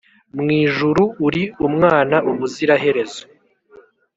mwijuru uri umwana ubuziraherezo